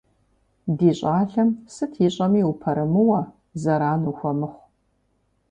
Ди щӏалэм сыт ищӏэми упэрымыуэ, зэран ухуэмыхъу.